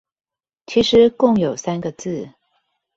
其實共有三個字